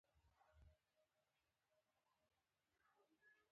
کوټ کوټ کوت…